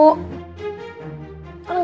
kan gak mau